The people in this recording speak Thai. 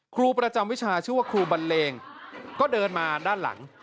ครูประจำวิชาชื่อว่าครูบันเลงก็เดินมาด้านหลัง